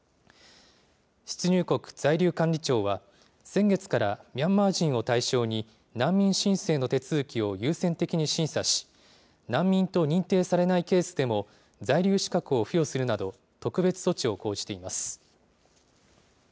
出入国在留管理庁は、先月からミャンマー人を対象に、難民申請の手続きを優先的に審査し、難民と認定されないケースでも、在留資格を付与するなど、特別措置を講じています。